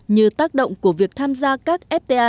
như tác động của việc tham gia các fta